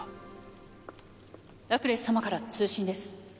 ラクレス様から通信です。